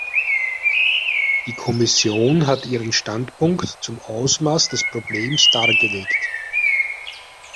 Die Kommission hat ihren Standpunkt zum Ausmaß des Problems dargelegt.